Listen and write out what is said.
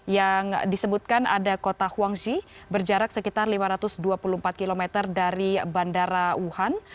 yang disebutkan ada kota huangzhi berjarak sekitar lima ratus dua puluh empat km dari bandara wuhan